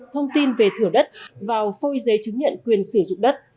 thông tin về thửa đất vào phôi giấy chứng nhận quyền sử dụng đất